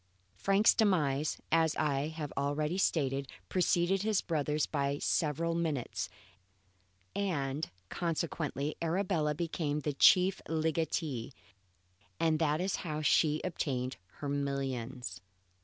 Frank's demise, as I have already stated, preceded his brother's by several minutes and consequently Arabella became the chief legatee; and that is how she obtained her millions.